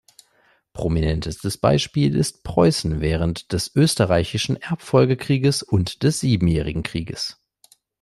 Prominentestes Beispiel ist Preußen während des Österreichischen Erbfolgekrieges und des Siebenjährigen Krieges.